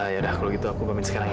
yaudah kalau gitu aku pamit sekarang